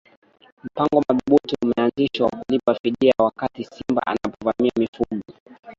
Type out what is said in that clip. mpango madhubuti umeanzishwa wa kulipa fidia wakati simba anapovamia mifugo